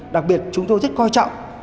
đặc biệt chúng tôi rất coi trọng